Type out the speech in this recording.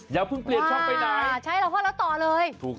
อย่าเพิ่งเปลี่ยนช่องไปไหนใช่แล้วพอเราต่อเลย